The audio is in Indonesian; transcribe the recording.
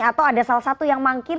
atau ada salah satu yang mangkir